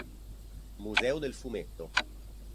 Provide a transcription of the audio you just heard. Museo del Fumetto